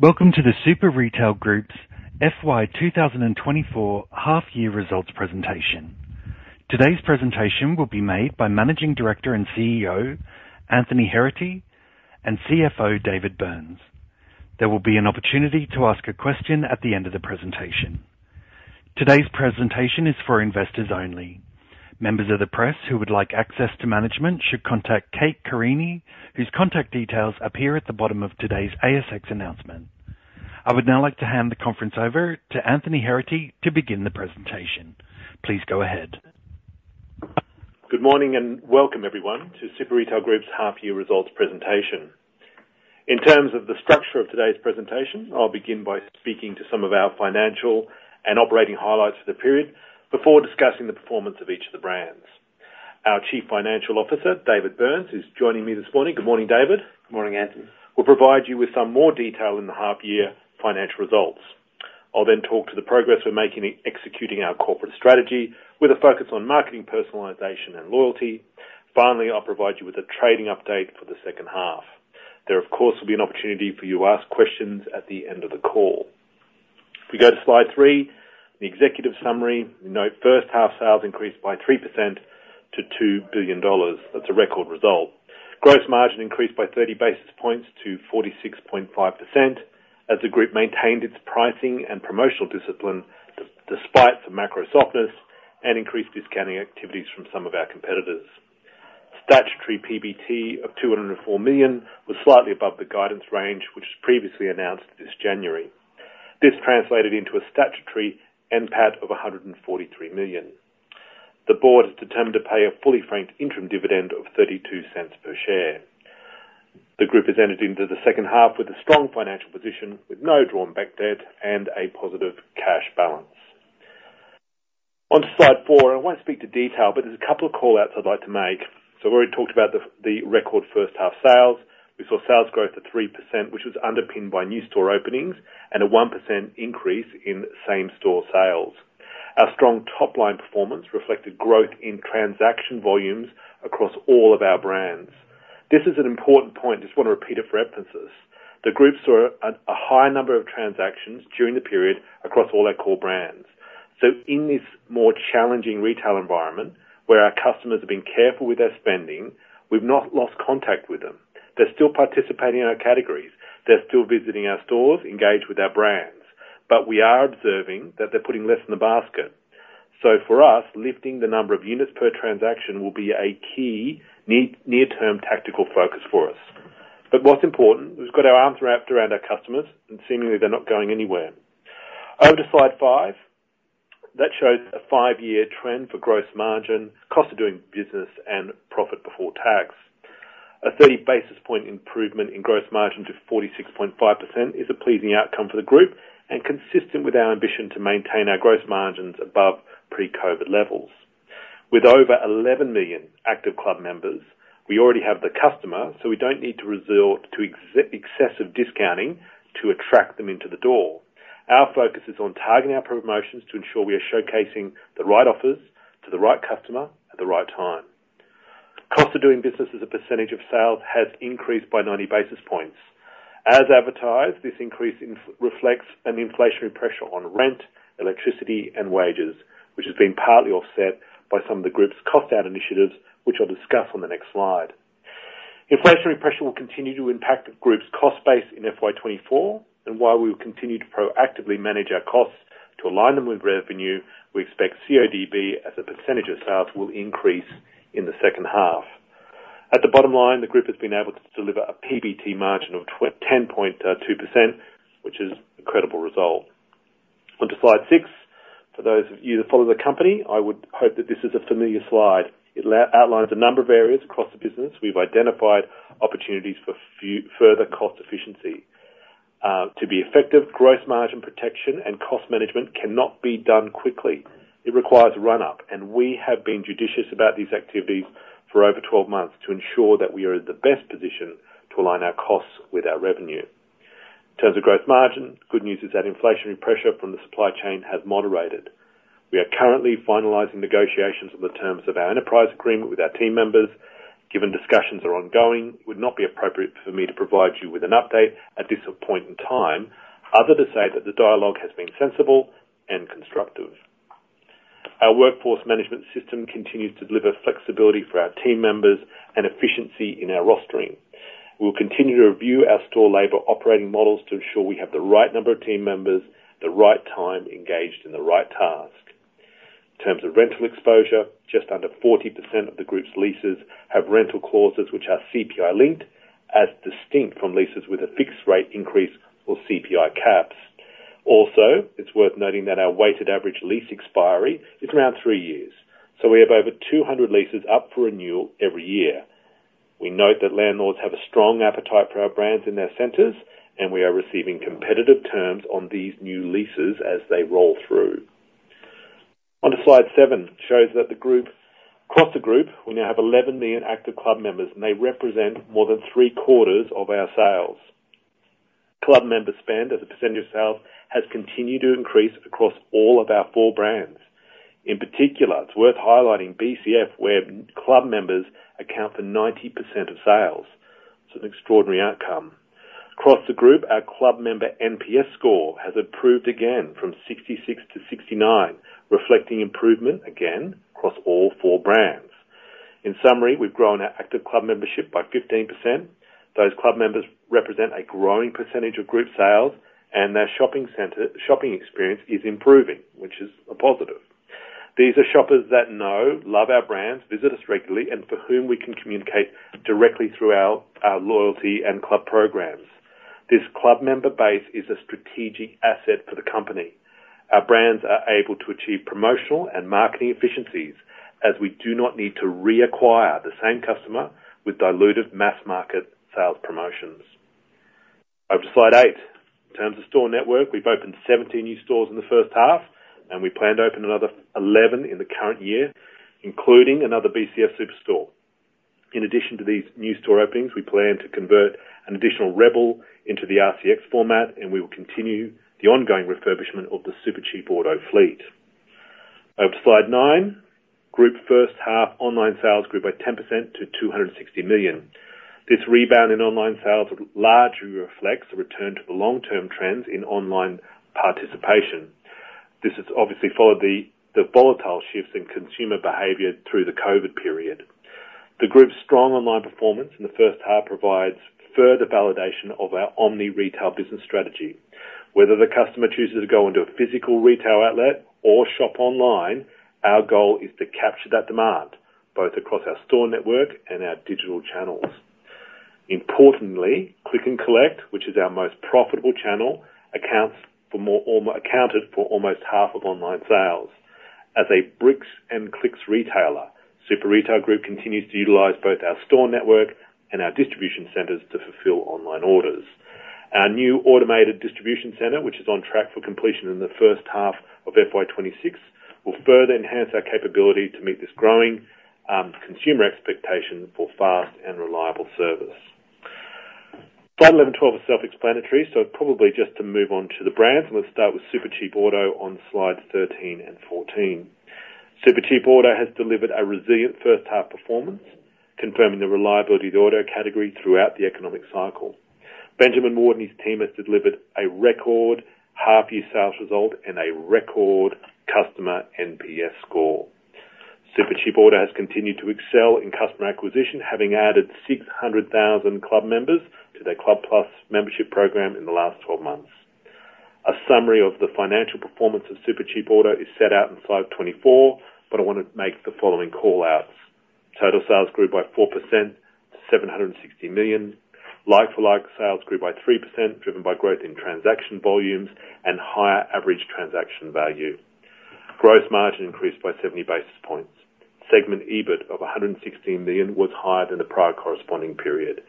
Welcome to the Super Retail Group's FY 2024 half-year results presentation. Today's presentation will be made by Managing Director and CEO Anthony Heraghty and CFO David Burns. There will be an opportunity to ask a question at the end of the presentation. Today's presentation is for investors only. Members of the press who would like access to management should contact Kate Carini, whose contact details appear at the bottom of today's ASX announcement. I would now like to hand the conference over to Anthony Heraghty to begin the presentation. Please go ahead. Good morning and welcome, everyone, to Super Retail Group's half-year results presentation. In terms of the structure of today's presentation, I'll begin by speaking to some of our financial and operating highlights for the period before discussing the performance of each of the brands. Our Chief Financial Officer, David Burns, is joining me this morning. Good morning, David. Good morning, Anthony. Will provide you with some more detail in the half-year financial results. I'll then talk to the progress we're making in executing our corporate strategy with a focus on marketing personalization and loyalty. Finally, I'll provide you with a trading update for the second half. There, of course, will be an opportunity for you to ask questions at the end of the call. If we go to slide three, the executive summary, we note first-half sales increased by 3% to 2 billion dollars. That's a record result. Gross margin increased by 30 basis points to 46.5% as the group maintained its pricing and promotional discipline despite some macro softness and increased discounting activities from some of our competitors. Statutory PBT of 204 million was slightly above the guidance range which was previously announced this January. This translated into a statutory NPAT of AUD 143 million. The board has determined to pay a fully franked interim dividend of 0.32 per share. The group has entered into the second half with a strong financial position with no drawn-back debt and a positive cash balance. Onto slide four. I won't speak to detail, but there's a couple of callouts I'd like to make. So we already talked about the record first-half sales. We saw sales growth of 3%, which was underpinned by new store openings and a 1% increase in same-store sales. Our strong top-line performance reflected growth in transaction volumes across all of our brands. This is an important point. I just want to repeat it for reference. The group saw a high number of transactions during the period across all our core brands. So in this more challenging retail environment where our customers have been careful with their spending, we've not lost contact with them. They're still participating in our categories. They're still visiting our stores, engaged with our brands. But we are observing that they're putting less in the basket. So for us, lifting the number of units per transaction will be a key near-term tactical focus for us. But what's important, we've got our arms wrapped around our customers, and seemingly, they're not going anywhere. Over to slide five. That shows a five-year trend for gross margin, cost of doing business, and profit before tax. A 30 basis point improvement in gross margin to 46.5% is a pleasing outcome for the group and consistent with our ambition to maintain our gross margins above pre-COVID levels. With over 11 million active club members, we already have the customer, so we don't need to resort to excessive discounting to attract them into the door. Our focus is on targeting our promotions to ensure we are showcasing the right offers to the right customer at the right time. Cost of doing business as a percentage of sales has increased by 90 basis points. As advertised, this increase reflects an inflationary pressure on rent, electricity, and wages, which has been partly offset by some of the group's cost-out initiatives, which I'll discuss on the next slide. Inflationary pressure will continue to impact the group's cost base in FY 2024, and while we will continue to proactively manage our costs to align them with revenue, we expect CODB as a percentage of sales will increase in the second half. At the bottom line, the group has been able to deliver a PBT margin of 10.2%, which is an incredible result. Onto slide six. For those of you that follow the company, I would hope that this is a familiar slide. It outlines a number of areas across the business. We've identified opportunities for further cost efficiency. To be effective, gross margin protection and cost management cannot be done quickly. It requires a run-up, and we have been judicious about these activities for over 12 months to ensure that we are in the best position to align our costs with our revenue. In terms of gross margin, good news is that inflationary pressure from the supply chain has moderated. We are currently finalizing negotiations on the terms of our enterprise agreement with our team members. Given discussions are ongoing, it would not be appropriate for me to provide you with an update at this point in time, other than to say that the dialogue has been sensible and constructive. Our workforce management system continues to deliver flexibility for our team members and efficiency in our rostering. We will continue to review our store labor operating models to ensure we have the right number of team members, the right time engaged in the right task. In terms of rental exposure, just under 40% of the group's leases have rental clauses which are CPI-linked, as distinct from leases with a fixed-rate increase or CPI caps. Also, it's worth noting that our weighted average lease expiry is around 3 years. So we have over 200 leases up for renewal every year. We note that landlords have a strong appetite for our brands in their centers, and we are receiving competitive terms on these new leases as they roll through. Onto slide seven. It shows that across the group, we now have 11 million active club members, and they represent more than three-quarters of our sales. Club member spend as a percentage of sales has continued to increase across all of our four brands. In particular, it's worth highlighting BCF, where club members account for 90% of sales. It's an extraordinary outcome. Across the group, our club member NPS score has improved again from 66-69, reflecting improvement again across all four brands. In summary, we've grown our active club membership by 15%. Those club members represent a growing percentage of group sales, and their shopping experience is improving, which is a positive. These are shoppers that know, love our brands, visit us regularly, and for whom we can communicate directly through our loyalty and club programs. This club member base is a strategic asset for the company. Our brands are able to achieve promotional and marketing efficiencies as we do not need to reacquire the same customer with diluted mass-market sales promotions. Over to slide eight. In terms of store network, we've opened 17 new stores in the first half, and we plan to open another 11 in the current year, including another BCF superstore. In addition to these new store openings, we plan to convert an additional rebel into the RCX format, and we will continue the ongoing refurbishment of the Supercheap Auto fleet. Over to slide nine. Group first-half online sales grew by 10% to 260 million. This rebound in online sales largely reflects a return to the long-term trends in online participation. This has obviously followed the volatile shifts in consumer behavior through the COVID period. The group's strong online performance in the first half provides further validation of our omni-retail business strategy. Whether the customer chooses to go into a physical retail outlet or shop online, our goal is to capture that demand both across our store network and our digital channels. Importantly, Click & Collect, which is our most profitable channel, accounted for almost half of online sales. As a Bricks & Clicks retailer, Super Retail Group continues to utilize our store network and our distribution centers to fulfill online orders. Our new automated distribution center, which is on track for completion in the first half of FY 2026, will further enhance our capability to meet this growing consumer expectation for fast and reliable service. Slide 11, 12 are self-explanatory, so probably just to move on to the brands. Let's start with Supercheap Auto on slides 13 and 14. Supercheap Auto has delivered a resilient first-half performance, confirming the reliability of the auto category throughout the economic cycle. Benjamin Ward and his team has delivered a record half-year sales result and a record customer NPS score. Supercheap Auto has continued to excel in customer acquisition, having added 600,000 club members to their Club Plus membership program in the last 12 months. A summary of the financial performance of Supercheap Auto is set out in slide 24, but I want to make the following callouts. Total sales grew by 4% to 760 million. Like-for-like sales grew by 3%, driven by growth in transaction volumes and higher average transaction value. Gross margin increased by 70 basis points. Segment EBIT of 116 million was higher than the prior corresponding period.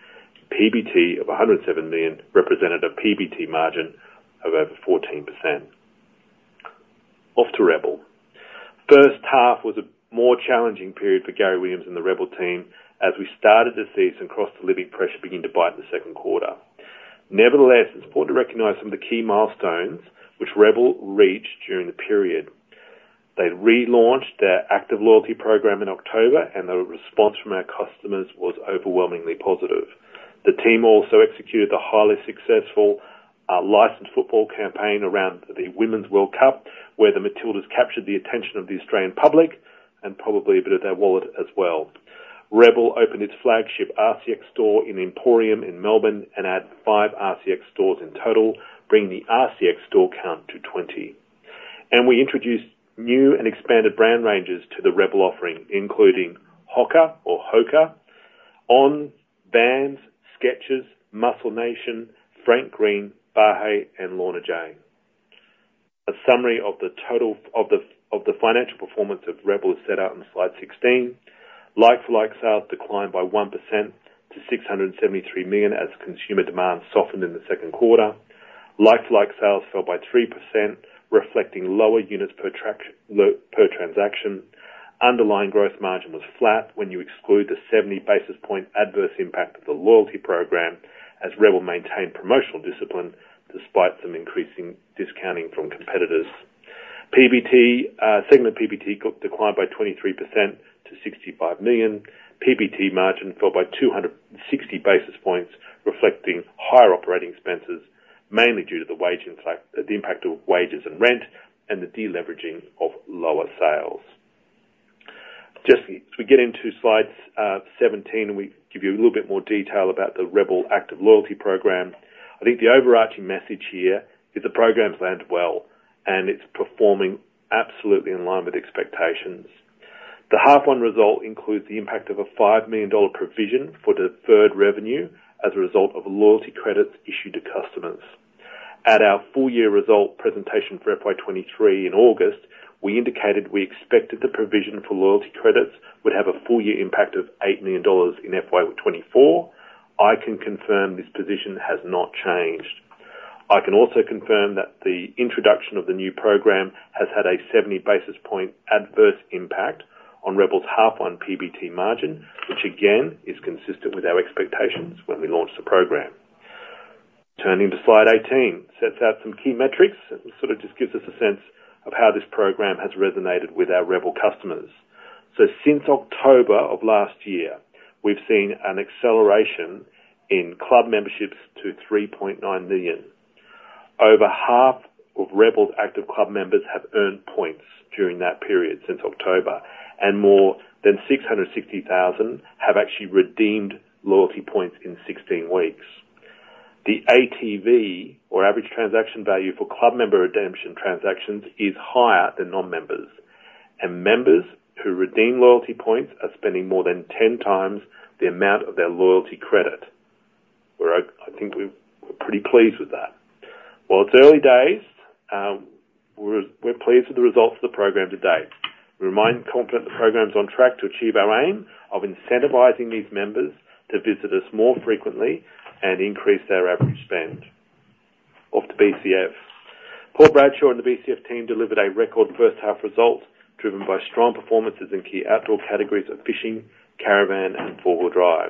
PBT of 107 million represented a PBT margin of over 14%. Off to Rebel. First half was a more challenging period for Gary Williams and the rebel team as we started to see some cross-delivery pressure begin to bite in the second quarter. Nevertheless, it's important to recognize some of the key milestones which rebel reached during the period. They relaunched their active loyalty program in October, and the response from our customers was overwhelmingly positive. The team also executed the highly successful licensed football campaign around the Women's World Cup, where the Matildas captured the attention of the Australian public and probably a bit of their wallet as well. rebel opened its flagship RCX store in Emporium Melbourne and added 5 RCX stores in total, bringing the RCX store count to 20. We introduced new and expanded brand ranges to the rebel offering, including HOKA, On, Bonds, Skechers, Muscle Nation, Frank Green, BAHE, and Lorna Jane. A summary of the total of the financial performance of rebel is set out in slide 16. Like-for-like sales declined by 1% to 673 million as consumer demand softened in the second quarter. Like-for-like sales fell by 3%, reflecting lower units per transaction. Underlying gross margin was flat when you exclude the 70 basis point adverse impact of the loyalty program as rebel maintained promotional discipline despite some increasing discounting from competitors. Segment PBT declined by 23% to 65 million. PBT margin fell by 260 basis points, reflecting higher operating expenses, mainly due to the impact of wages and rent and the deleveraging of lower sales. If we get into slide 17, we give you a little bit more detail about the rebel Active loyalty program. I think the overarching message here is the program's landed well, and it's performing absolutely in line with expectations. The H1 result includes the impact of an 5 million dollar provision for deferred revenue as a result of loyalty credits issued to customers. At our full-year result presentation for FY 2023 in August, we indicated we expected the provision for loyalty credits would have a full-year impact of 8 million dollars in FY 2024. I can confirm this position has not changed. I can also confirm that the introduction of the new program has had a 70 basis point adverse impact on Rebel's H1 PBT margin, which again is consistent with our expectations when we launched the program. Turning to slide 18, it sets out some key metrics and sort of just gives us a sense of how this program has resonated with our Rebel customers. So since October of last year, we've seen an acceleration in club memberships to 3.9 million. Over half of Rebel's active club members have earned points during that period since October, and more than 660,000 have actually redeemed loyalty points in 16 weeks. The ATV, or average transaction value for club member redemption transactions, is higher than non-members. Members who redeem loyalty points are spending more than 10 times the amount of their loyalty credit. I think we're pretty pleased with that. While it's early days, we're pleased with the results of the program to date. We remain confident the program's on track to achieve our aim of incentivizing these members to visit us more frequently and increase their average spend. Off to BCF. Paul Bradshaw and the BCF team delivered a record first-half result driven by strong performances in key outdoor categories of fishing, caravan, and four-wheel drive.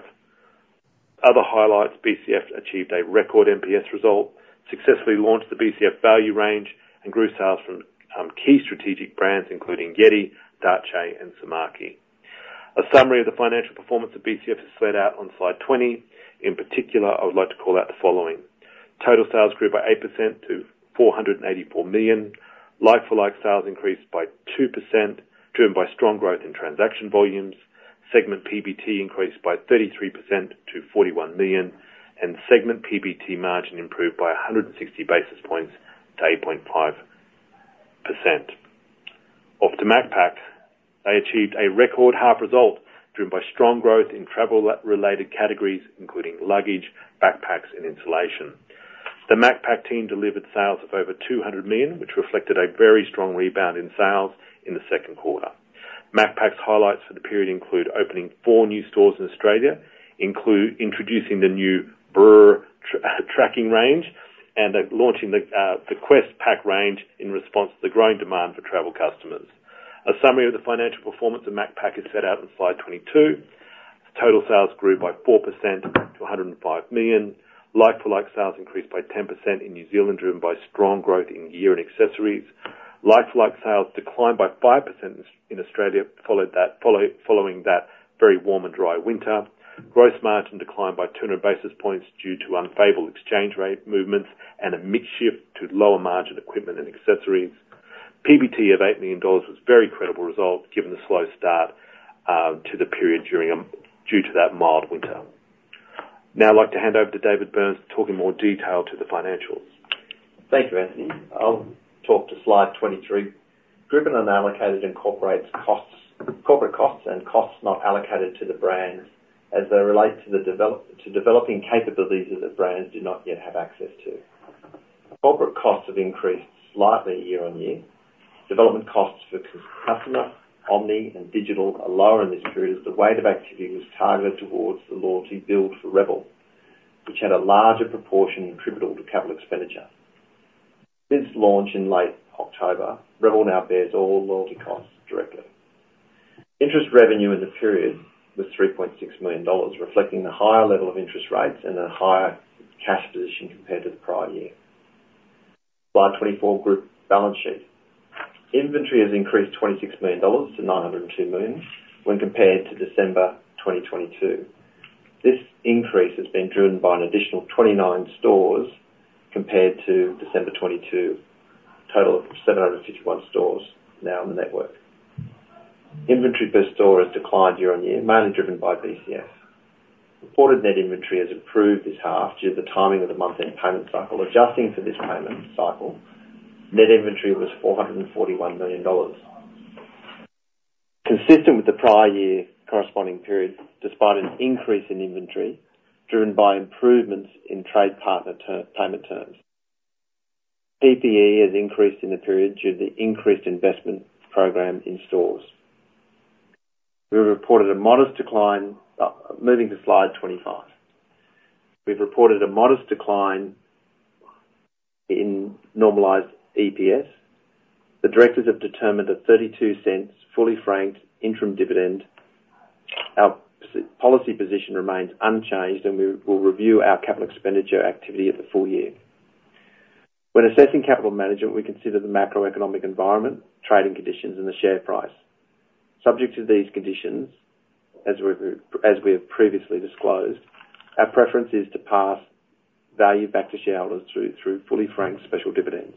Other highlights, BCF achieved a record NPS result, successfully launched the BCF value range, and grew sales from key strategic brands including YETI, Dometic, and Shimano. A summary of the financial performance of BCF is set out on slide 20. In particular, I would like to call out the following. Total sales grew by 8% to 484 million. Like-for-like sales increased by 2%, driven by strong growth in transaction volumes. Segment PBT increased by 33% to 41 million, and segment PBT margin improved by 160 basis points to 8.5%. Off to Macpac. They achieved a record half result driven by strong growth in travel-related categories including luggage, backpacks, and insulation. The Macpac team delivered sales of over 200 million, which reflected a very strong rebound in sales in the second quarter. Macpac's highlights for the period include opening four new stores in Australia, introducing the new Beren trekking range, and launching the Quest Pack range in response to the growing demand for travel customers. A summary of the financial performance of Macpac is set out on slide 22. Total sales grew by 4% to 105 million. Like-for-like sales increased by 10% in New Zealand, driven by strong growth in gear and accessories. Like-for-like sales declined by 5% in Australia following that very warm and dry winter. Gross margin declined by 200 basis points due to unfavorable exchange rate movements and a mixed shift to lower margin equipment and accessories. PBT of 8 million dollars was a very credible result given the slow start to the period due to that mild winter. Now I'd like to hand over to David Burns to talk in more detail to the financials. Thank you, Anthony. I'll talk to slide 23. Group unallocated incorporates corporate costs and costs not allocated to the brands as they relate to developing capabilities that the brands do not yet have access to. Corporate costs have increased slightly year-on-year. Development costs for customer, omni, and digital are lower in this period as the weight of activity was targeted towards the loyalty build for Rebel, which had a larger proportion attributable to capital expenditure. Since launch in late October, Rebel now bears all loyalty costs directly. Interest revenue in the period was 3.6 million dollars, reflecting the higher level of interest rates and a higher cash position compared to the prior year. Slide 24, Group balance sheet. Inventory has increased 26 million dollars to 902 million when compared to December 2022. This increase has been driven by an additional 29 stores compared to December 2022, total of 751 stores now on the network. Inventory per store has declined year-on-year, mainly driven by BCF. Reported net inventory has improved this half due to the timing of the month-end payment cycle. Adjusting for this payment cycle, net inventory was 441 million dollars, consistent with the prior year corresponding period despite an increase in inventory driven by improvements in trade partner payment terms. PPE has increased in the period due to the increased investment program in stores. We reported a modest decline moving to slide 25. We've reported a modest decline in normalized EPS. The directors have determined a 0.32 fully franked interim dividend. Our policy position remains unchanged, and we will review our capital expenditure activity at the full year. When assessing capital management, we consider the macroeconomic environment, trading conditions, and the share price. Subject to these conditions, as we have previously disclosed, our preference is to pass value back to shareholders through fully franked special dividends.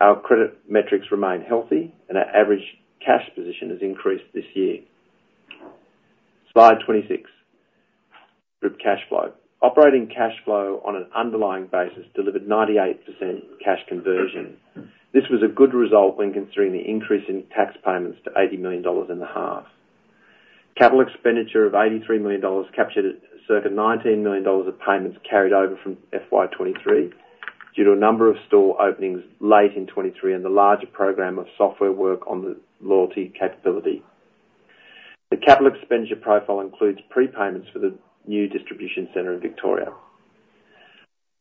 Our credit metrics remain healthy, and our average cash position has increased this year. Slide 26, group cash flow. Operating cash flow on an underlying basis delivered 98% cash conversion. This was a good result when considering the increase in tax payments to 80 million dollars in the half. Capital expenditure of 83 million dollars captured circa 19 million dollars of payments carried over from FY 2023 due to a number of store openings late in 2023 and the larger program of software work on the loyalty capability. The capital expenditure profile includes prepayments for the new distribution center in Victoria.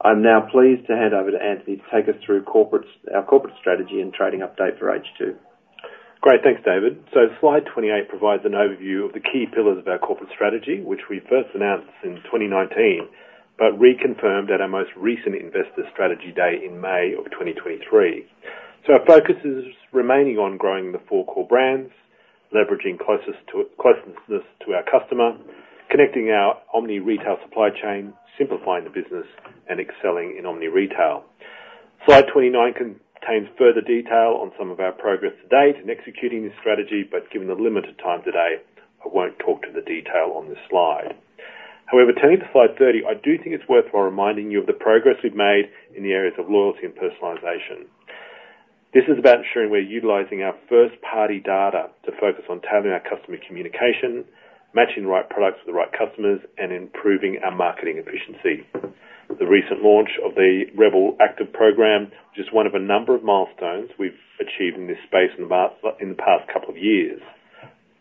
I'm now pleased to hand over to Anthony to take us through our corporate strategy and trading update for H2. Great. Thanks, David. So slide 28 provides an overview of the key pillars of our corporate strategy, which we first announced in 2019 but reconfirmed at our most recent investor strategy day in May of 2023. So our focus is remaining on growing the four core brands, leveraging closeness to our customer, connecting our omni retail supply chain, simplifying the business, and excelling in omni retail. Slide 29 contains further detail on some of our progress to date in executing this strategy, but given the limited time today, I won't talk to the detail on this slide. However, turning to slide 30, I do think it's worthwhile reminding you of the progress we've made in the areas of loyalty and personalization. This is about ensuring we're utilizing our first-party data to focus on tailoring our customer communication, matching the right products with the right customers, and improving our marketing efficiency. The recent launch of the rebel Active program is just one of a number of milestones we've achieved in this space in the past couple of years.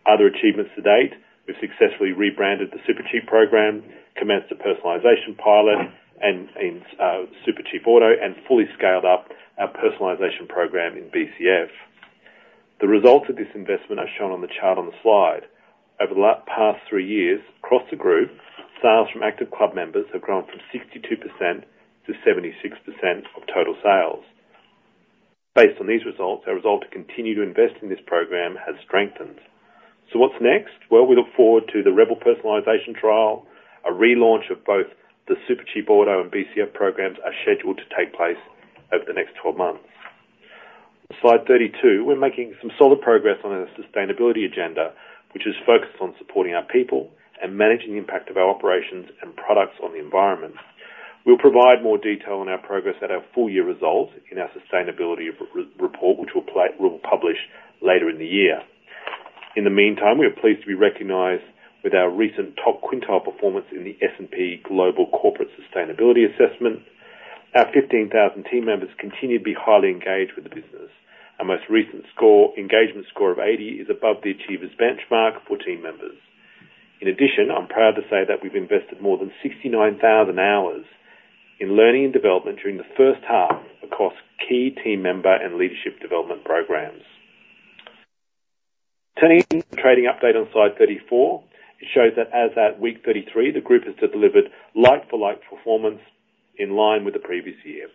Other achievements to date, we've successfully rebranded the Supercheap program, commenced a personalization pilot in Supercheap Auto, and fully scaled up our personalization program in BCF. The results of this investment are shown on the chart on the slide. Over the past three years across the group, sales from active club members have grown from 62%-76% of total sales. Based on these results, our resolve to continue to invest in this program has strengthened. So what's next? Well, we look forward to the rebel personalization trial. A relaunch of both the Supercheap Auto and BCF programs are scheduled to take place over the next 12 months. Slide 32, we're making some solid progress on our sustainability agenda, which is focused on supporting our people and managing the impact of our operations and products on the environment. We'll provide more detail on our progress at our full-year results in our sustainability report, which we'll publish later in the year. In the meantime, we are pleased to be recognized with our recent top quintile performance in the S&P Global Corporate Sustainability Assessment. Our 15,000 team members continue to be highly engaged with the business. Our most recent engagement score of 80 is above the achievers benchmark for team members. In addition, I'm proud to say that we've invested more than 69,000 hours in learning and development during the first half across key team member and leadership development programs. Turning to the trading update on slide 34, it shows that as at week 33, the group has delivered like-for-like performance in line with the previous year.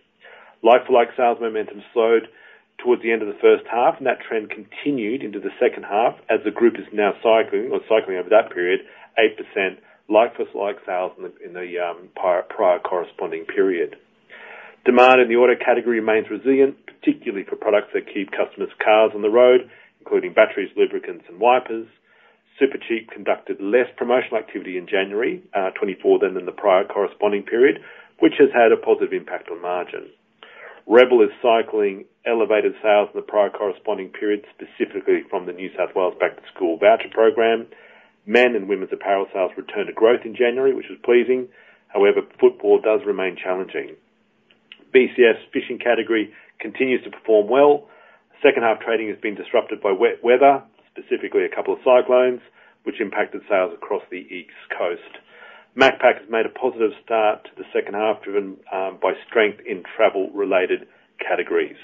Like-for-like sales momentum slowed towards the end of the first half, and that trend continued into the second half as the group is now cycling over that period 8% like-for-like sales in the prior corresponding period. Demand in the auto category remains resilient, particularly for products that keep customers' cars on the road, including batteries, lubricants, and wipers. Supercheap conducted less promotional activity in January 2024 than in the prior corresponding period, which has had a positive impact on margin. Rebel is cycling elevated sales in the prior corresponding period, specifically from the New South Wales Back to School voucher program. Men and women's apparel sales returned to growth in January, which was pleasing. However, football does remain challenging. BCF's fishing category continues to perform well. Second-half trading has been disrupted by wet weather, specifically a couple of cyclones, which impacted sales across the East Coast. Macpac has made a positive start to the second half driven by strength in travel-related categories.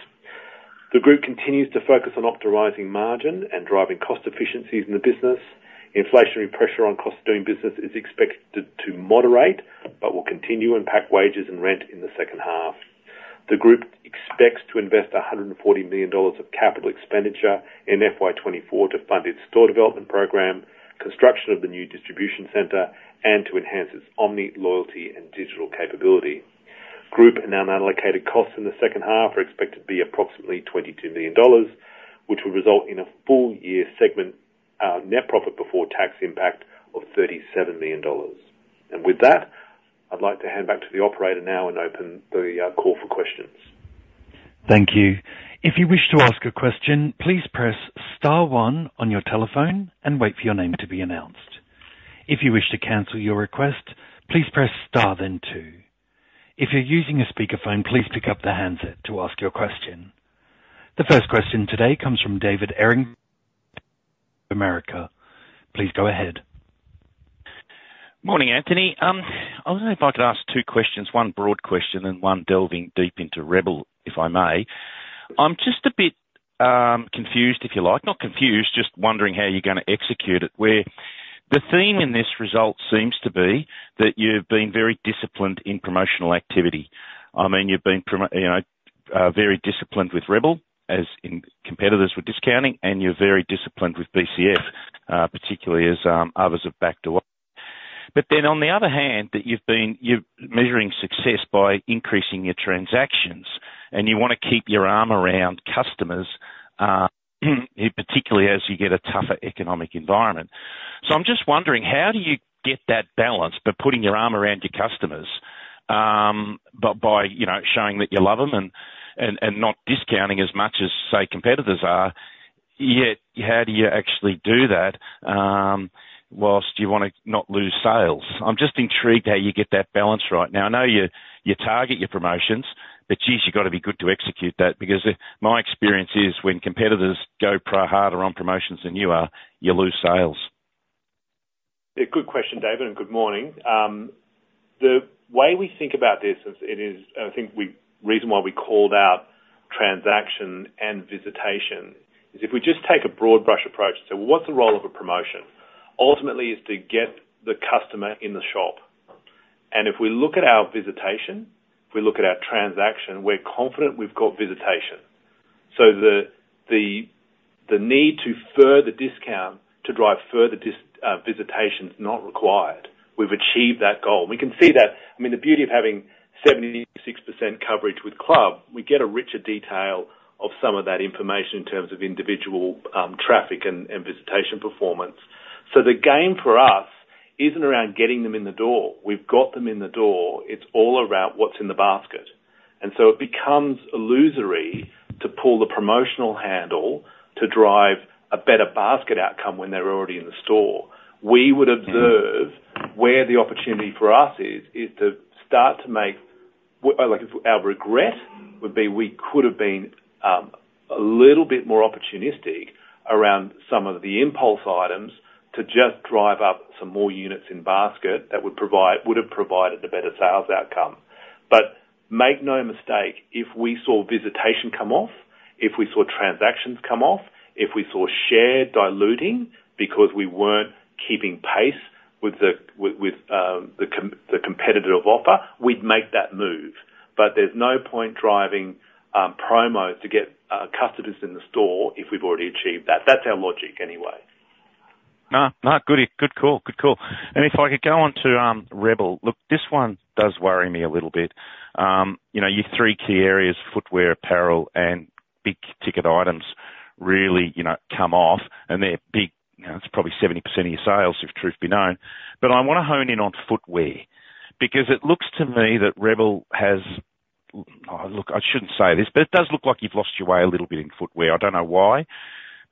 The group continues to focus on optimizing margin and driving cost efficiencies in the business. Inflationary pressure on cost of doing business is expected to moderate but will continue to impact wages and rent in the second half. The group expects to invest 140 million dollars of capital expenditure in FY 2024 to fund its store development program, construction of the new distribution center, and to enhance its omni loyalty and digital capability. Group and unallocated costs in the second half are expected to be approximately 22 million dollars, which will result in a full-year net profit before tax impact of 37 million dollars. With that, I'd like to hand back to the operator now and open the call for questions. Thank you. If you wish to ask a question, please press star one on your telephone and wait for your name to be announced. If you wish to cancel your request, please press star then two. If you're using a speakerphone, please pick up the handset to ask your question. The first question today comes from David Errington of Bank of America Merrill Lynch. Please go ahead. Morning, Anthony. I don't know if I could ask two questions, one broad question and one delving deep into Rebel, if I may. I'm just a bit confused, if you like. Not confused, just wondering how you're going to execute it. The theme in this result seems to be that you've been very disciplined in promotional activity. I mean, you've been very disciplined with Rebel as competitors were discounting, and you're very disciplined with BCF, particularly as others have backed away. But then on the other hand, that you've been measuring success by increasing your transactions, and you want to keep your arm around customers, particularly as you get a tougher economic environment. So I'm just wondering, how do you get that balance by putting your arm around your customers but by showing that you love them and not discounting as much as, say, competitors are? Yet, how do you actually do that whilst you want to not lose sales? I'm just intrigued how you get that balance right. Now, I know you target your promotions, but jeez, you've got to be good to execute that because my experience is when competitors go harder on promotions than you are, you lose sales. Yeah. Good question, David, and good morning. The way we think about this is I think the reason why we called out transaction and visitation is if we just take a broad brush approach and say, "Well, what's the role of a promotion?" Ultimately, it's to get the customer in the shop. And if we look at our visitation, if we look at our transaction, we're confident we've got visitation. So the need to further discount to drive further visitation's not required. We've achieved that goal. We can see that. I mean, the beauty of having 76% coverage with club, we get a richer detail of some of that information in terms of individual traffic and visitation performance. So the game for us isn't around getting them in the door. We've got them in the door. It's all about what's in the basket. It becomes illusory to pull the promotional handle to drive a better basket outcome when they're already in the store. We would observe where the opportunity for us is to start to make. Our regret would be we could have been a little bit more opportunistic around some of the impulse items to just drive up some more units in basket that would have provided a better sales outcome. But make no mistake, if we saw visitation come off, if we saw transactions come off, if we saw share diluting because we weren't keeping pace with the competitive offer, we'd make that move. But there's no point driving promos to get customers in the store if we've already achieved that. That's our logic anyway. No, no. Good. Good call. And if I could go on to Rebel, look, this one does worry me a little bit. Your three key areas, footwear, apparel, and big-ticket items, really come off, and they're big; it's probably 70% of your sales, if truth be known. But I want to hone in on footwear because it looks to me that Rebel has—look, I shouldn't say this, but it does look like you've lost your way a little bit in footwear. I don't know why.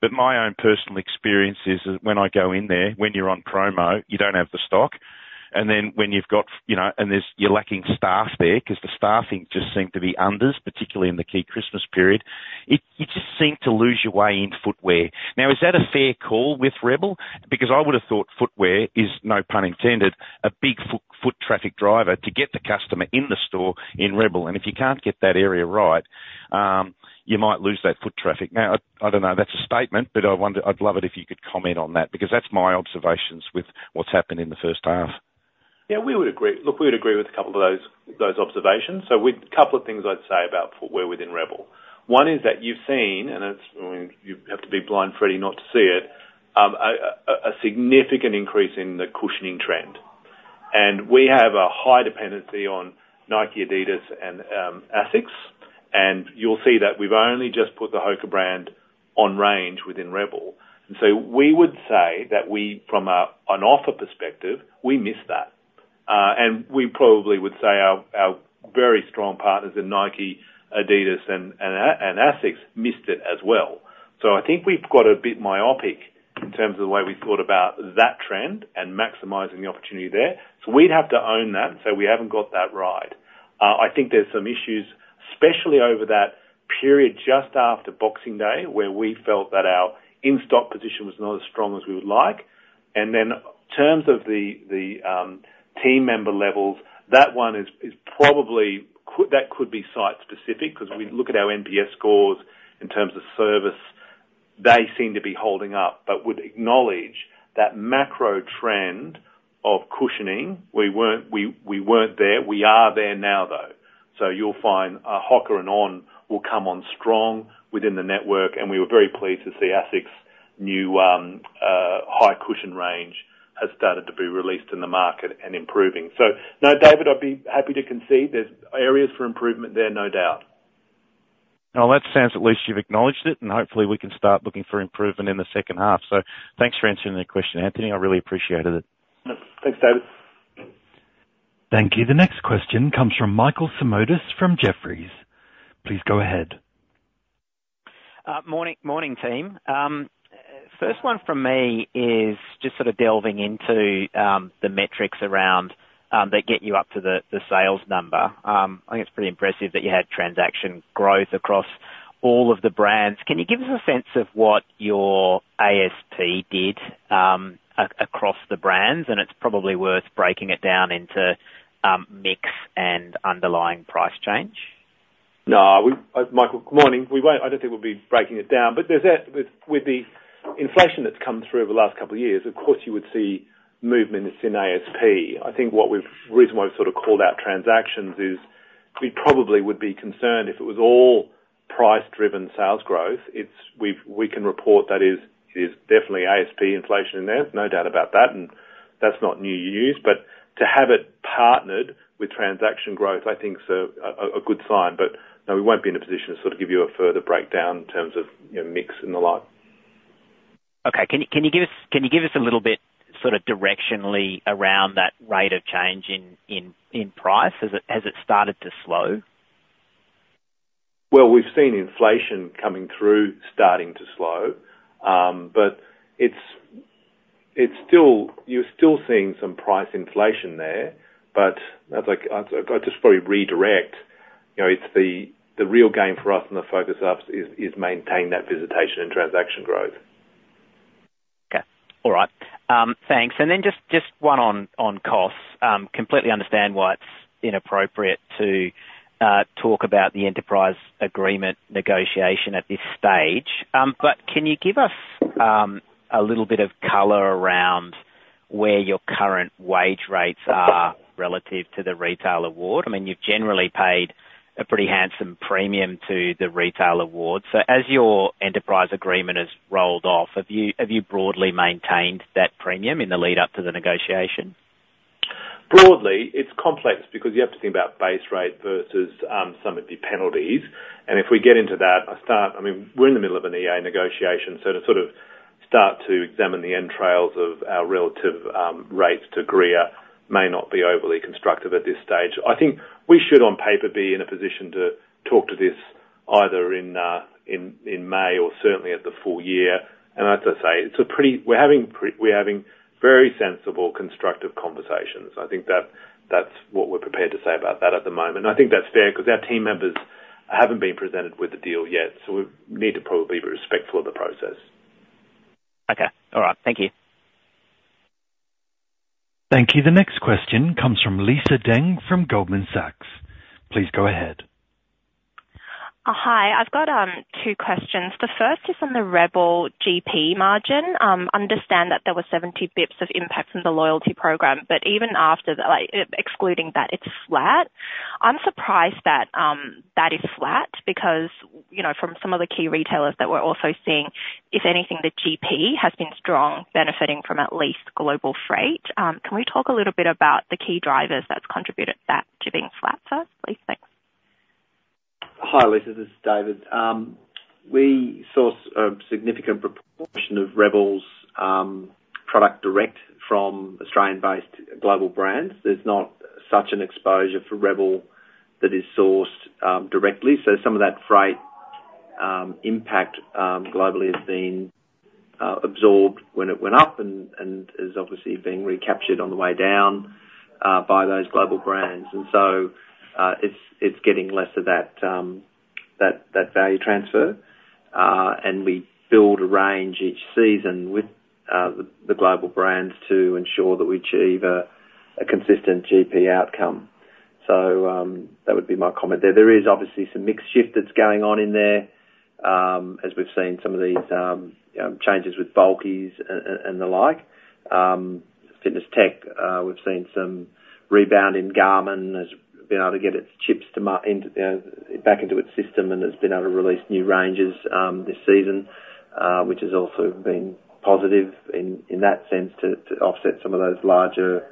But my own personal experience is that when I go in there, when you're on promo, you don't have the stock. And then when you've got [stock] and you're lacking staff there because the staffing just seemed to be understaffed, particularly in the key Christmas period, you just seem to lose your way in footwear. Now, is that a fair call with Rebel? Because I would have thought footwear is, no pun intended, a big foot traffic driver to get the customer in the store in Rebel. And if you can't get that area right, you might lose that foot traffic. Now, I don't know. That's a statement, but I'd love it if you could comment on that because that's my observations with what's happened in the first half. Yeah. Look, we would agree with a couple of those observations. So a couple of things I'd say about footwear within rebel. One is that you've seen and you have to be Blind Freddie, not to see it, a significant increase in the cushioning trend. And we have a high dependency on Nike, Adidas, and Asics. And you'll see that we've only just put the HOKA brand on range within rebel. And so we would say that from an offer perspective, we miss that. And we probably would say our very strong partners in Nike, Adidas, and Asics missed it as well. So I think we've got a bit myopic in terms of the way we thought about that trend and maximizing the opportunity there. So we'd have to own that and say, "We haven't got that right." I think there's some issues, especially over that period just after Boxing Day where we felt that our in-stock position was not as strong as we would like. And then in terms of the team member levels, that one is probably that could be site-specific because we look at our NPS scores in terms of service. They seem to be holding up but would acknowledge that macro trend of cushioning, we weren't there. We are there now, though. So you'll find a HOKA and On will come on strong within the network. And we were very pleased to see Asics' new high cushion range has started to be released in the market and improving. So no, David, I'd be happy to concede. There's areas for improvement there, no doubt. Well, that sounds at least you've acknowledged it, and hopefully, we can start looking for improvement in the second half. So thanks for answering the question, Anthony. I really appreciated it. Thanks, David. Thank you. The next question comes from Michael Simotas from Jefferies. Please go ahead. Morning, team. First one from me is just sort of delving into the metrics that get you up to the sales number. I think it's pretty impressive that you had transaction growth across all of the brands. Can you give us a sense of what your ASP did across the brands? And it's probably worth breaking it down into mix and underlying price change. No, Michael, good morning. I don't think we'll be breaking it down. But with the inflation that's come through over the last couple of years, of course, you would see movement in ASP. I think the reason why we've sort of called out transactions is we probably would be concerned if it was all price-driven sales growth. We can report that it is definitely ASP inflation in there, no doubt about that. And that's not new news. But to have it partnered with transaction growth, I think, is a good sign. But no, we won't be in a position to sort of give you a further breakdown in terms of mix and the like. Okay. Can you give us a little bit sort of directionally around that rate of change in price? Has it started to slow? Well, we've seen inflation coming through starting to slow. But you're still seeing some price inflation there. But I'd just probably redirect. The real game for us and the focus of us is maintain that visitation and transaction growth. Okay. All right. Thanks. Then just one on costs. Completely understand why it's inappropriate to talk about the Enterprise Agreement negotiation at this stage. But can you give us a little bit of color around where your current wage rates are relative to the Retail Award? I mean, you've generally paid a pretty handsome premium to the Retail Award. So as your Enterprise Agreement has rolled off, have you broadly maintained that premium in the lead-up to the negotiation? Broadly, it's complex because you have to think about base rate versus some of your penalties. And if we get into that, I mean, we're in the middle of an EA negotiation. So to sort of start to examine the entrails of our relative rates to GRIA may not be overly constructive at this stage. I think we should, on paper, be in a position to talk to this either in May or certainly at the full year. And as I say, it's a pretty we're having very sensible, constructive conversations. I think that's what we're prepared to say about that at the moment. And I think that's fair because our team members haven't been presented with the deal yet. So we need to probably be respectful of the process. Okay. All right. Thank you. Thank you. The next question comes from Lisa Deng from Goldman Sachs. Please go ahead. Hi. I've got two questions. The first is on the Rebel GP margin. Understand that there were 70 basis points of impact from the loyalty program, but even after that, excluding that, it's flat. I'm surprised that that is flat because from some of the key retailers that we're also seeing, if anything, the GP has been strong, benefiting from at least global freight. Can we talk a little bit about the key drivers that's contributed to being flat first, please? Thanks. Hi, Lisa. This is David. We source a significant proportion of rebel's product direct from Australian-based global brands. There's not such an exposure for rebel that is sourced directly. So some of that freight impact globally has been absorbed when it went up and is obviously being recaptured on the way down by those global brands. And so it's getting less of that value transfer. And we build a range each season with the global brands to ensure that we achieve a consistent GP outcome. So that would be my comment there. There is obviously some mixed shift that's going on in there as we've seen some of these changes with bulkies and the like. Fitness Tech, we've seen some rebound in Garmin. It's been able to get its chips back into its system, and it's been able to release new ranges this season, which has also been positive in that sense to offset some of those larger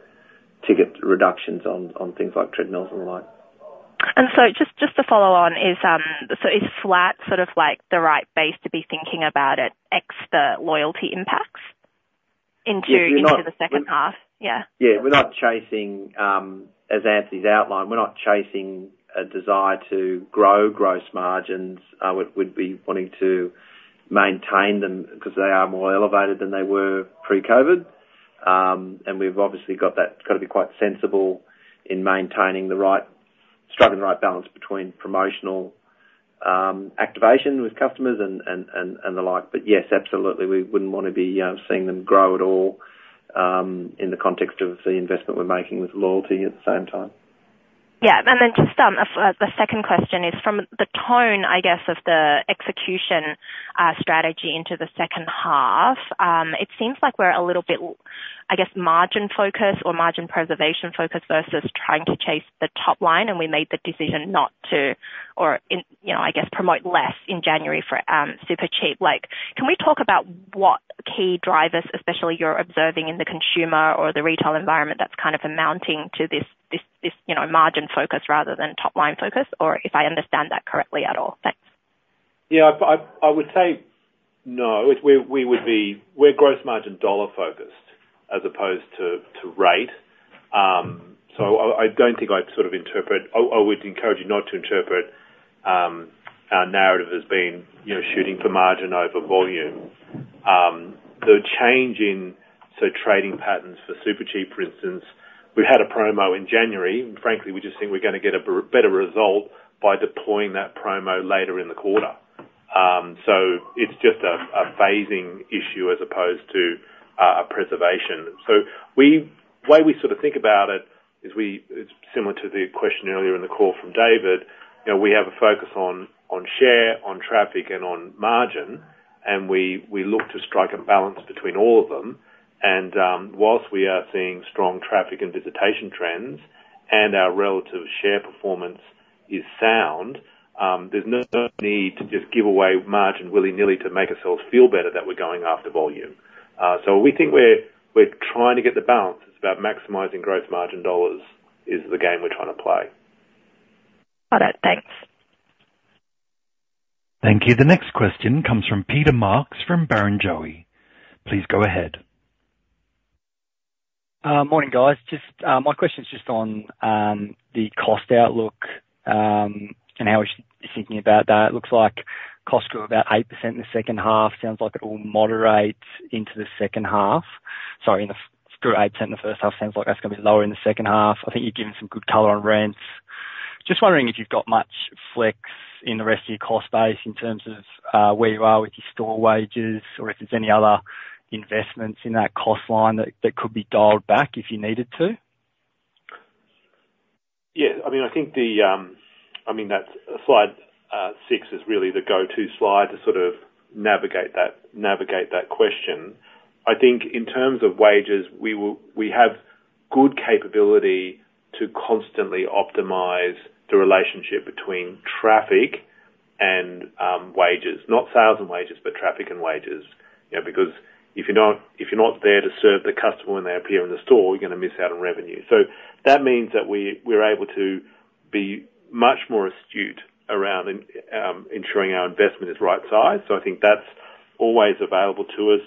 ticket reductions on things like treadmills and the like. And so, just to follow on, so is flat sort of the right base to be thinking about it, extra loyalty impacts into the second half? Yes. Yeah. Yeah. We're not chasing, as Anthony's outlined, we're not chasing a desire to grow gross margins. We'd be wanting to maintain them because they are more elevated than they were pre-COVID. And we've obviously got to be quite sensible in striking the right balance between promotional activation with customers and the like. But yes, absolutely, we wouldn't want to be seeing them grow at all in the context of the investment we're making with loyalty at the same time. Yeah. And then just the second question is from the tone, I guess, of the execution strategy into the second half, it seems like we're a little bit, I guess, margin-focused or margin-preservation-focused versus trying to chase the top line. And we made the decision not to or, I guess, promote less in January for Supercheap Auto. Can we talk about what key drivers, especially you're observing in the consumer or the retail environment, that's kind of amounting to this margin-focus rather than top-line focus, or if I understand that correctly at all? Thanks. Yeah. I would say no. We're gross margin dollar-focused as opposed to rate. So I don't think I'd sort of interpret—I would encourage you not to interpret—our narrative as being shooting for margin over volume. The change in, say, trading patterns for Supercheap, for instance, we've had a promo in January. And frankly, we just think we're going to get a better result by deploying that promo later in the quarter. So it's just a phasing issue as opposed to a preservation. So the way we sort of think about it is similar to the question earlier in the call from David. We have a focus on share, on traffic, and on margin. And we look to strike a balance between all of them. While we are seeing strong traffic and visitation trends and our relative share performance is sound, there's no need to just give away margin willy-nilly to make ourselves feel better that we're going after volume. We think we're trying to get the balance. It's about maximizing gross margin dollars is the game we're trying to play. Got it. Thanks. Thank you. The next question comes from Peter Marks from Barrenjoey. Please go ahead. Morning, guys. My question's just on the cost outlook and how we're thinking about that. It looks like costs grew about 8% in the second half. Sounds like it will moderate into the second half. Sorry, it grew 8% in the first half. Sounds like that's going to be lower in the second half. I think you've given some good color on rents. Just wondering if you've got much flex in the rest of your cost base in terms of where you are with your store wages or if there's any other investments in that cost line that could be dialed back if you needed to. Yeah. I mean, I think, I mean, slide six is really the go-to slide to sort of navigate that question. I think in terms of wages, we have good capability to constantly optimize the relationship between traffic and wages, not sales and wages, but traffic and wages. Because if you're not there to serve the customer when they appear in the store, you're going to miss out on revenue. So that means that we're able to be much more astute around ensuring our investment is right-sized. So I think that's always available to us.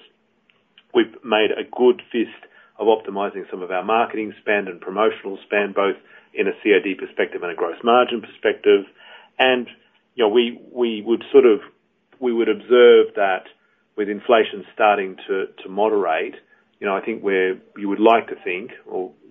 We've made a good fist of optimizing some of our marketing spend and promotional spend both in a CAC perspective and a gross margin perspective. We would sort of observe that with inflation starting to moderate, I think you would like to think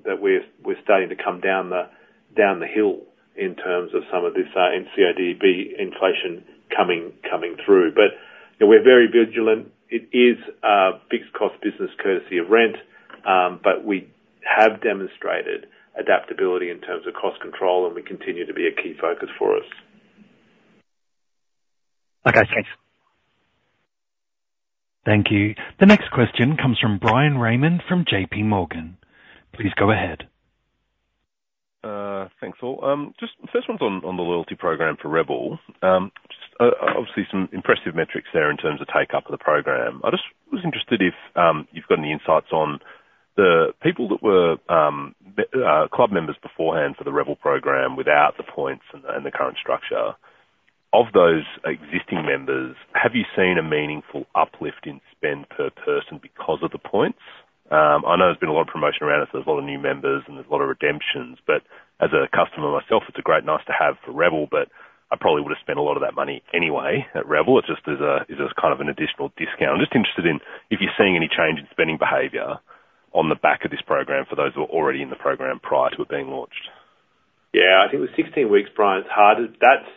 that we're starting to come down the hill in terms of some of this CODB inflation coming through. But we're very vigilant. It is a fixed-cost business courtesy of rent. But we have demonstrated adaptability in terms of cost control, and we continue to be a key focus for us. Okay. Thanks. Thank you. The next question comes from Bryan Raymond from JP Morgan. Please go ahead. Thanks, Paul. First one's on the loyalty program for rebel. Obviously, some impressive metrics there in terms of uptake of the program. I just was interested if you've got any insights on the people that were club members beforehand for the rebel program without the points and the current structure. Of those existing members, have you seen a meaningful uplift in spend per person because of the points? I know there's been a lot of promotion around us. There's a lot of new members, and there's a lot of redemptions. But as a customer myself, it's great and nice to have for rebel, but I probably would have spent a lot of that money anyway at rebel. It just is kind of an additional discount. I'm just interested in if you're seeing any change in spending behavior on the back of this program for those who were already in the program prior to it being launched. Yeah. I think with 16 weeks, Brian, it's hard to, that's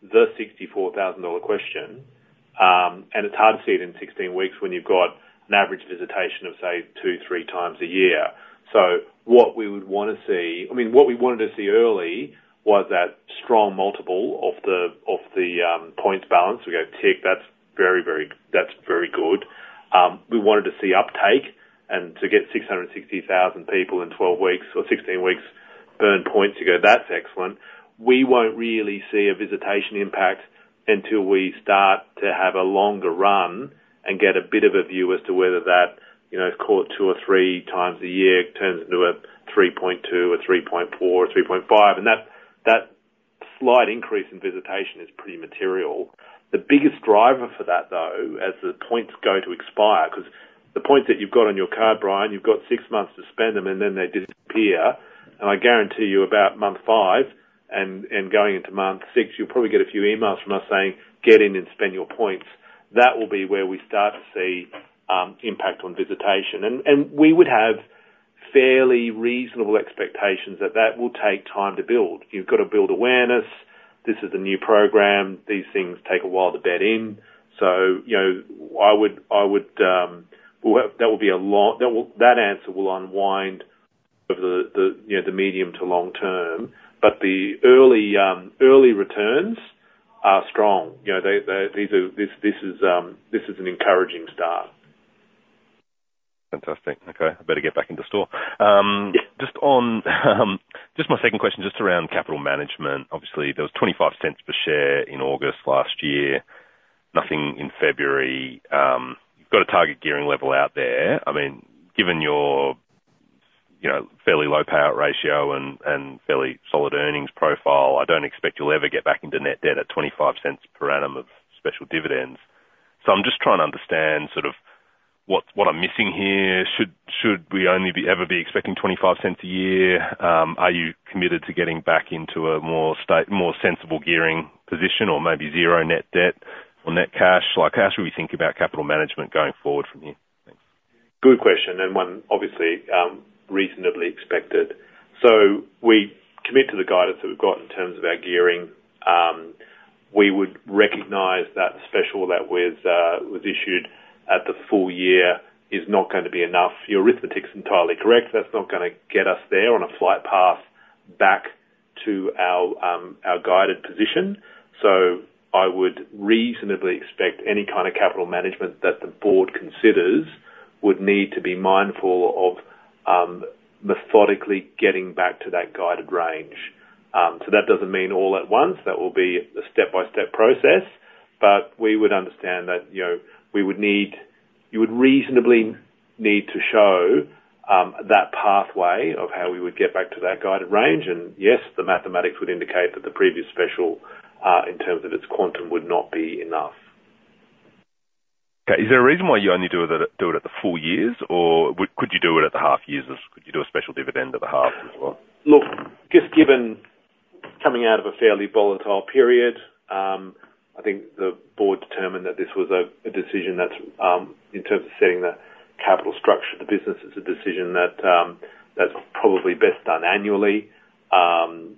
the $64,000 question. And it's hard to see it in 16 weeks when you've got an average visitation of, say, two, three times a year. So what we would want to see I mean, what we wanted to see early was that strong multiple of the points balance. We go, "Tick. That's very, very good." We wanted to see uptake. And to get 660,000 people in 12 weeks or 16 weeks burn points, you go, "That's excellent." We won't really see a visitation impact until we start to have a longer run and get a bit of a view as to whether that caught two or three times a year turns into a 3.2, a 3.4, a 3.5. And that slight increase in visitation is pretty material. The biggest driver for that, though, as the points go to expire because the points that you've got on your card, Brian, you've got six months to spend them, and then they disappear. I guarantee you about month five and going into month six, you'll probably get a few emails from us saying, "Get in and spend your points." That will be where we start to see impact on visitation. We would have fairly reasonable expectations that that will take time to build. You've got to build awareness. This is a new program. These things take a while to bed in. So I would that will be a lot that answer will unwind over the medium to long term. But the early returns are strong. This is an encouraging start. Fantastic. Okay. I better get back into store. Just my second question just around capital management. Obviously, there was 0.25 per share in August last year. Nothing in February. You've got a target gearing level out there. I mean, given your fairly low-power ratio and fairly solid earnings profile, I don't expect you'll ever get back into net debt at 0.25 per annum of special dividends. So I'm just trying to understand sort of what I'm missing here. Should we only ever be expecting 0.25 a year? Are you committed to getting back into a more sensible gearing position or maybe zero net debt or net cash? How should we think about capital management going forward from here? Thanks. Good question and one, obviously, reasonably expected. So we commit to the guidance that we've got in terms of our gearing. We would recognize that the special that was issued at the full year is not going to be enough. Your arithmetic's entirely correct. That's not going to get us there on a flight path back to our guided position. So I would reasonably expect any kind of capital management that the board considers would need to be mindful of methodically getting back to that guided range. So that doesn't mean all at once. That will be a step-by-step process. But we would understand that we would need you would reasonably need to show that pathway of how we would get back to that guided range. And yes, the mathematics would indicate that the previous special, in terms of its quantum, would not be enough. Okay. Is there a reason why you only do it at the full years, or could you do it at the half years? Could you do a special dividend at the half as well? Look, just given coming out of a fairly volatile period, I think the board determined that this was a decision that's in terms of setting the capital structure of the business. It's a decision that's probably best done annually. And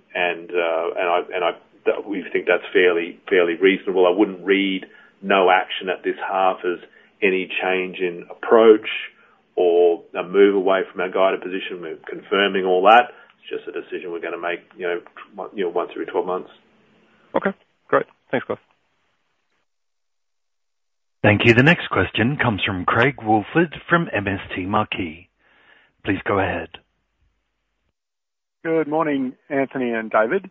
we think that's fairly reasonable. I wouldn't read no action at this half as any change in approach or a move away from our guided position. We're confirming all that. It's just a decision we're going to make once every 12 months. Okay. Great. Thanks, guys. Thank you. The next question comes from Craig Woolford from MST Marquee. Please go ahead. Good morning, Anthony and David.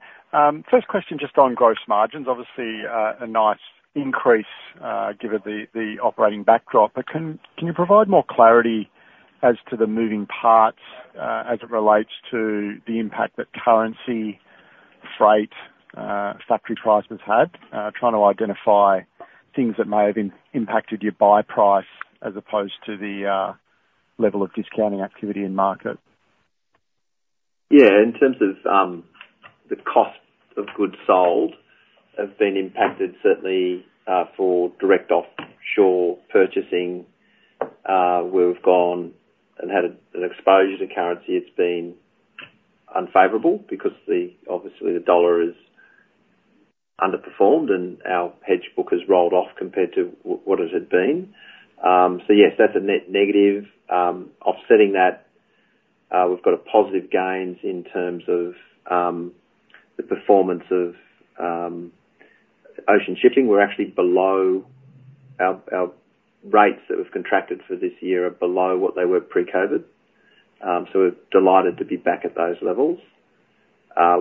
First question just on gross margins. Obviously, a nice increase given the operating backdrop. But can you provide more clarity as to the moving parts as it relates to the impact that currency, freight, factory prices had? Trying to identify things that may have impacted your buy price as opposed to the level of discounting activity in market. Yeah. In terms of the cost of goods sold, it's been impacted, certainly, for direct offshore purchasing. We've gone and had an exposure to currency. It's been unfavorable because, obviously, the dollar has underperformed, and our hedge book has rolled off compared to what it had been. So yes, that's a net negative. Offsetting that, we've got positive gains in terms of the performance of ocean shipping. We're actually below our rates that we've contracted for this year are below what they were pre-COVID. So we're delighted to be back at those levels.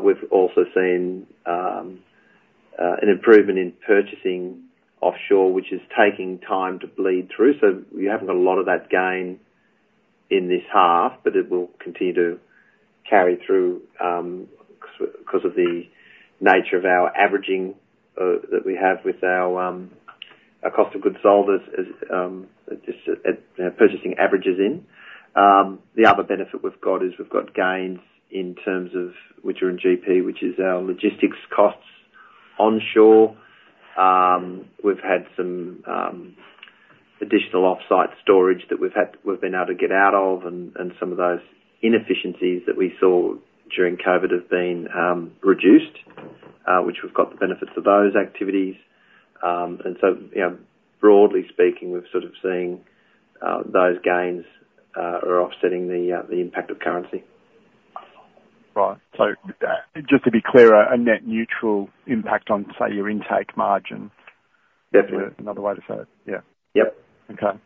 We've also seen an improvement in purchasing offshore, which is taking time to bleed through. So we haven't got a lot of that gain in this half, but it will continue to carry through because of the nature of our averaging that we have with our cost of goods sold as purchasing averages in. The other benefit we've got is we've got gains in terms of which are in GP, which is our logistics costs onshore. We've had some additional offsite storage that we've been able to get out of. And some of those inefficiencies that we saw during COVID have been reduced, which we've got the benefits of those activities. And so broadly speaking, we've sort of seen those gains are offsetting the impact of currency. Right. So just to be clear, a net neutral impact on, say, your intake margin? Definitely. Another way to say it. Yeah. Yep. Okay.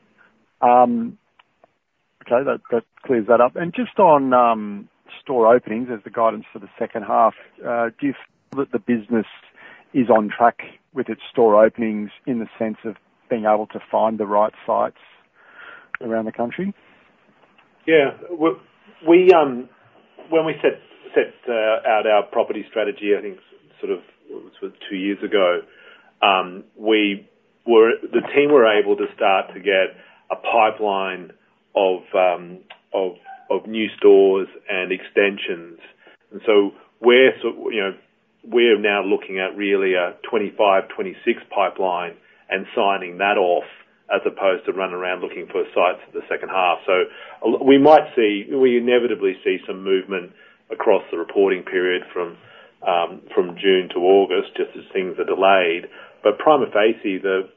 Okay. That clears that up. And just on store openings as the guidance for the second half, do you feel that the business is on track with its store openings in the sense of being able to find the right sites around the country? Yeah. When we set out our property strategy, I think sort of it was two years ago, the team were able to start to get a pipeline of new stores and extensions. So we're now looking at really a 25-26 pipeline and signing that off as opposed to running around looking for sites for the second half. We might see we inevitably see some movement across the reporting period from June to August just as things are delayed. But primarily, the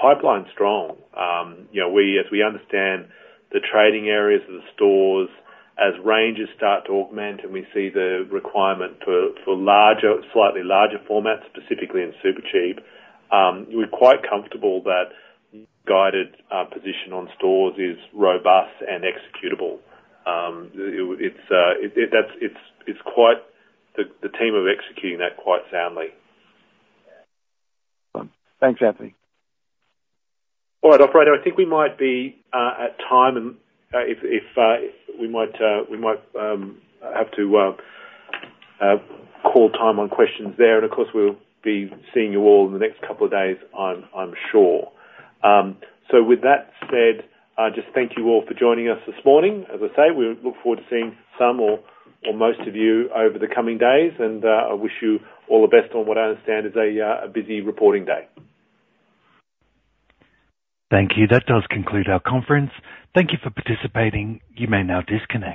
pipeline's strong. As we understand the trading areas of the stores, as ranges start to augment and we see the requirement for slightly larger formats, specifically in Supercheap, we're quite comfortable that guided position on stores is robust and executable. The team are executing that quite soundly. Thanks, Anthony. All right, operator. I think we might be at time and we might have to call time on questions there. And of course, we'll be seeing you all in the next couple of days, I'm sure. So with that said, just thank you all for joining us this morning. As I say, we look forward to seeing some or most of you over the coming days. And I wish you all the best on what I understand is a busy reporting day. Thank you. That does conclude our conference. Thank you for participating. You may now disconnect.